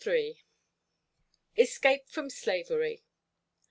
_ ESCAPE FROM SLAVERY.